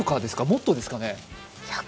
もっとですかね？